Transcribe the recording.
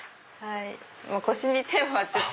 腰に手を当てて。